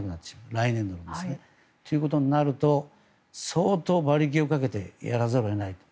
来年のですね。ということになると相当、馬力をかけてやらざるを得ないと。